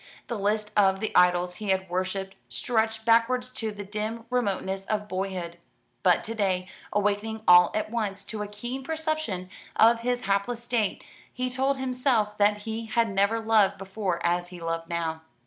The list of the idols he had worshipped stretched backwards to the dim remoteness of boyhood. But to day, awakening all at once to a keen perception of his hapless state, he told himself that he had never loved before as he loved now.